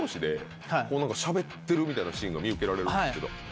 みたいなシーンが見受けられるんですけど。